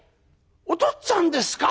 おとっつぁんですか？